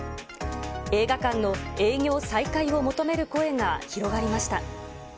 映画館の営業再開を求める声が広がりました。